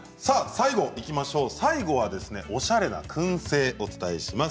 最後はおしゃれなくん製をお伝えします。